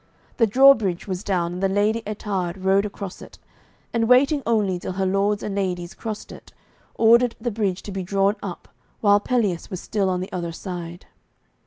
The drawbridge was down, and the Lady Ettarde rode across it, and waiting only till her lords and ladies crossed it, ordered the bridge to be drawn up, while Pelleas was still on the other side.